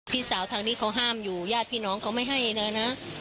พี่สาวทางนี้เขาห้ามอยู่ญาติพี่น้องเขาไม่ให้นะนะ